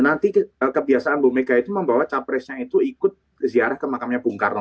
nanti kebiasaan bu mega itu membawa capresnya itu ikut ziarah ke makamnya bung karno